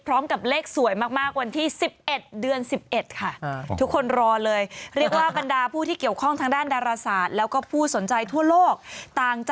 พร้อมกับเลขสวยมากวันที่๑๑เดือน๑๑ค่ะ